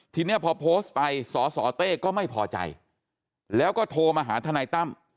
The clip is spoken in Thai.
ทีนี้พอโพสต์ไปสสเต้ก็ไม่พอใจแล้วก็โทรมาหาทนายตั้ม